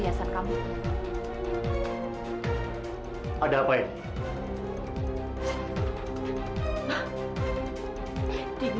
tegah kamu din